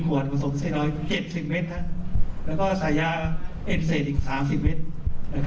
อันตรายมาก